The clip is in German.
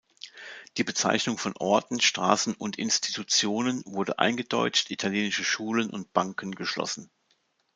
Die Bezeichnung von Orten, Straßen und Institutionen wurde eingedeutscht, italienische Schulen und Banken geschlossen.